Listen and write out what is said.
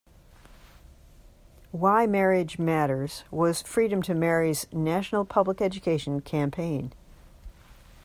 "Why Marriage Matters" was Freedom to Marry's national public education campaign.